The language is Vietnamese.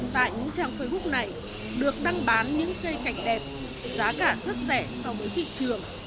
tại những trang facebook này được đăng bán những cây cảnh đẹp giá cả rất rẻ so với thị trường